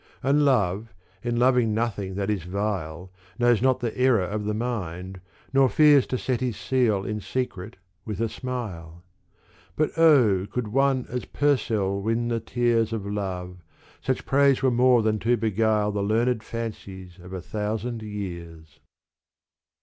And love in loving nothing that is vile Knows not the error of the mind, nor fears To set his seal in secret with a smile : But O could one as Purcell win the tears Of love, such praise were more than to beguile The learned fancies of a thousand years.